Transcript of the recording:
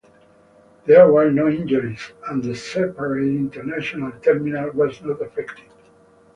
There were no injuries, and the separate international terminal was not affected.